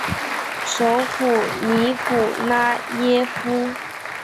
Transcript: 首府尼古拉耶夫。